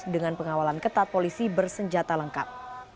dengan pengawalan ketat polisi bersenjata lengkap